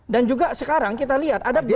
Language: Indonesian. dan juga sekarang kita lihat ada beberapa